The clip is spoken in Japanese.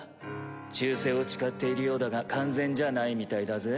忠誠を誓っているようだが完全じゃないみたいだぜ？